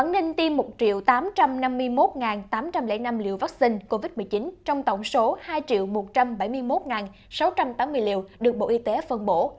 ba trăm linh năm liều vaccine covid một mươi chín trong tổng số hai một trăm bảy mươi một sáu trăm tám mươi liều được bộ y tế phân bổ